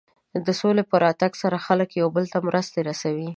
د سولې په راتګ سره خلک یو بل ته مرستې رسوي.